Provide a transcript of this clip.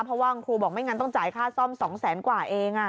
เพราะว่าคุณครูบอกไม่งั้นต้องจ่ายค่าซ่อม๒แสนกว่าเอง